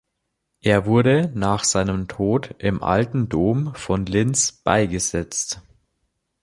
Er wurde nach seinem Tod im Alten Dom von Linz beigesetzt.